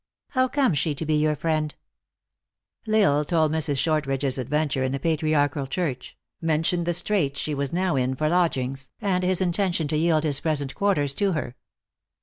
How comes she to be your friend ?" L lsle told Mrs. Shortridge s adventure in the Patri archal church ; mentioned the straits she was now in for lodgings, and his intention to yield his present quarters to her.